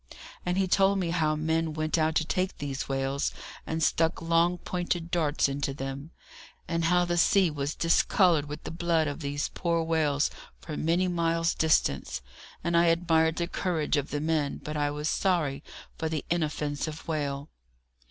And he told me how men went out to take these whales, and stuck long pointed darts into them; and how the sea was discoloured with the blood of these poor whales for many miles' distance; and I admired the courage of the men, but I was sorry for the inoffensive whale.